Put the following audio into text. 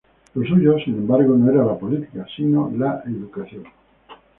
Lo suyo, sin embargo, no era la política, sino la educación.